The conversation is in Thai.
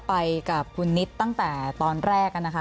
ไปกับคุณนิดตั้งแต่ตอนแรกนะคะ